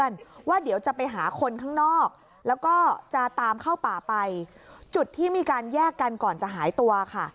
แล้วก็จะตามเข้าป่าไปจุดที่มีการแยกกันก่อนจะหายตัวค่ะ